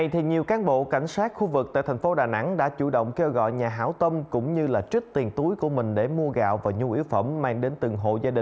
thuộc địa phận khu vực vĩnh linh tỉnh quảng trị